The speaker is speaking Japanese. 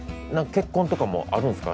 結婚とかもあるんすか？